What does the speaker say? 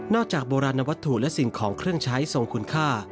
จากโบราณวัตถุและสิ่งของเครื่องใช้ทรงคุณค่า